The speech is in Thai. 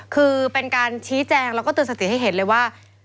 คือเป็นการชี้แจงแล้วก็เตือนสติให้เห็นเลยว่า